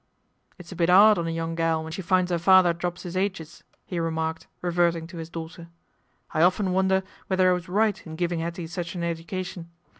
" It's a bit 'ard on a young gal when she finds *r father drops 'is aitches," he remarked, reverting ;his daughter. " I often wonder whether I was ht in giving 'Ettie such an education.